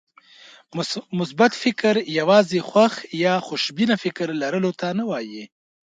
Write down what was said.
مثبت فکر يوازې خوښ يا خوشبينه فکر لرلو ته نه وایي.